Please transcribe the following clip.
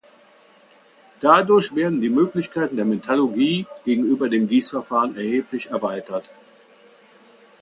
Dadurch werden die Möglichkeiten der Metallurgie gegenüber den Gießverfahren erheblich erweitert.